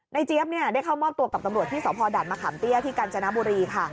เจี๊ยบได้เข้ามอบตัวกับตำรวจที่สพด่านมะขามเตี้ยที่กาญจนบุรีค่ะ